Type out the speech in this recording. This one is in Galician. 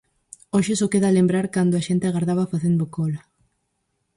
Hoxe só queda lembrar cando a xente agardaba facendo cola.